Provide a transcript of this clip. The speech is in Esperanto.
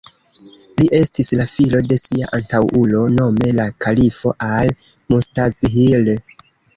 Li estis la filo de sia antaŭulo, nome la kalifo Al-Mustazhir.